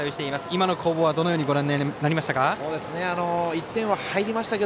今の攻防はどうご覧になられましたか？